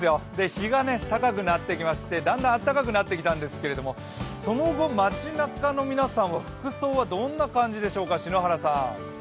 日が高くなってきましてだんだん暖かくなってきたんですけれどもその後、街なかの皆さんは服装はどんな感じでしょうか？